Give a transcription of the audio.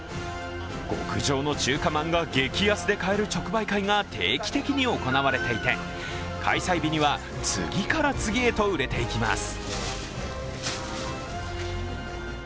極上の中華まんが激安で買える直売会が定期的に行われていて、開催日には次から次へと売れていきます。